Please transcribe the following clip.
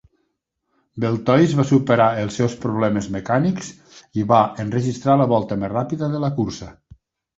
Beltoise va superar els seus problemes mecànics i va enregistrar la volta més ràpida de la cursa.